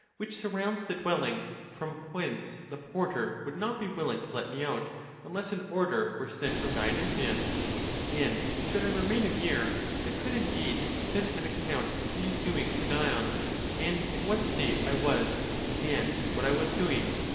which surrounds the dwelling, from whence the porter would not be willing to let me out, unless an order were sent from Dionysius. And should I remain a year, I could indeed send an account of these doings to Dion, and in what state I was, and what I was doing.